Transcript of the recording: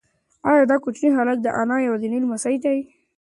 ایا دا کوچنی هلک د انا یوازینی لمسی دی؟